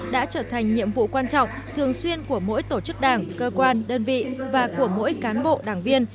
đã trở thành nhiệm vụ quan trọng thường xuyên của mỗi tổ chức đảng cơ quan đơn vị và của mỗi cán bộ đảng viên